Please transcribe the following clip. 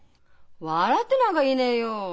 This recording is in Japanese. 笑ってなんがいねえよ。